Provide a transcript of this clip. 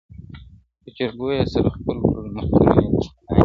په جرګو یې سره خپل کړې مختورن یې دښمنان کې-